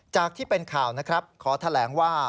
ที่เป็นข่าวนะครับขอแถลงว่า